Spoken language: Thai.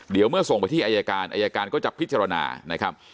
เดี๋ยวเมื่อส่งไปที่อายการอายการก็จะพิจารณานะครับ